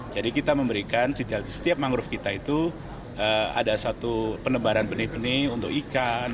jadi kita memberikan setiap mangrove kita itu ada satu penebaran benih benih untuk ikan